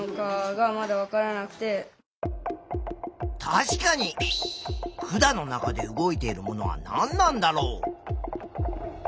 確かに管の中で動いているものは何なんだろう？